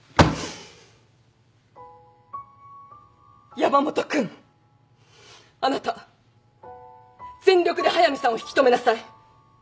山本君あなた全力で速見さんを引き留めなさい。